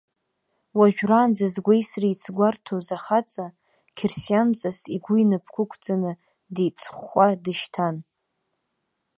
Уажәраанӡа згәеисра еицгәарҭоз ахаҵа, қьырсианҵас игәы инапқәа ықәҵаны, деиҵхәаа дышьҭан.